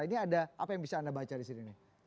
ini ada apa yang bisa anda baca di sini